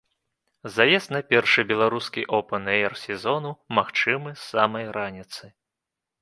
Заезд на першы беларускі оўпэн-эйр сезону магчымы з самай раніцы.